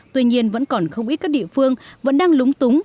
tuy nhiên vẫn còn không ít các địa phương vẫn đang lúng túng